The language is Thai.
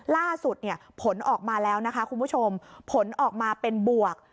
ล่าสุดเนี่ยผลออกมาแล้วนะคะคุณผู้ชมผลออกมาเป็นบวก